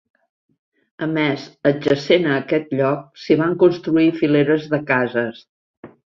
A més, adjacent a aquest lloc, s'hi van construir fileres de cases.